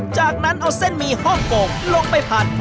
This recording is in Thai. จากนั้นเอาเส้นหมี่ฮ่องกงลงไปผัด